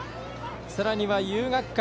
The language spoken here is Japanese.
さらには遊学館。